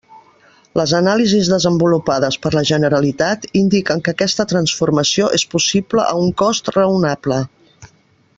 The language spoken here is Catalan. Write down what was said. Les anàlisis desenvolupades per la Generalitat indiquen que aquesta transformació és possible a un cost raonable.